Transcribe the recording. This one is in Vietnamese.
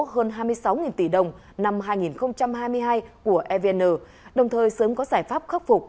hơn hai mươi sáu tỷ đồng năm hai nghìn hai mươi hai của evn đồng thời sớm có giải pháp khắc phục